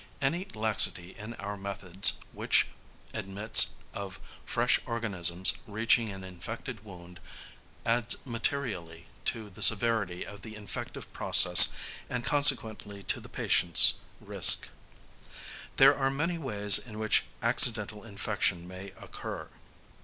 Any laxity in our methods which admits of fresh organisms reaching an infected wound adds materially to the severity of the infective process and consequently to the patient's risk. There are many ways in which accidental infection may occur.